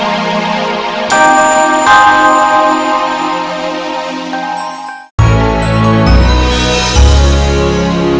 sampai jumpa lagi